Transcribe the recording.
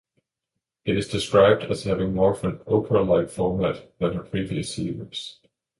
It is described as having more of an "Oprah"-like format than her previous series.